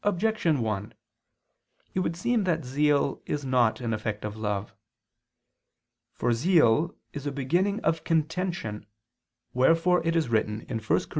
Objection 1: It would seem that zeal is not an effect of love. For zeal is a beginning of contention; wherefore it is written (1 Cor.